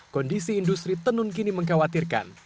kondisi industri tenun kini mengkhawatirkan